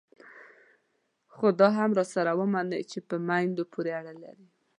خو دا هم راسره ومنئ چې په میندو پورې اړه لري.